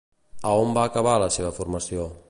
A on va acabar la seva formació?